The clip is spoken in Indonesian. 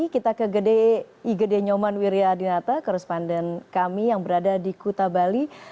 kita ke igd nyoman wiryadinata korresponden kami yang berada di kuta bali